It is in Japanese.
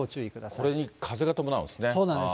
これに風が伴うんですね。